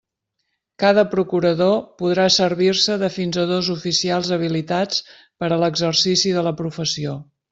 Cada procurador podrà servir-se de fins a dos oficials habilitats per a l'exercici de la professió.